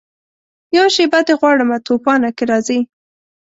یوه شېبه دي غواړمه توپانه که راځې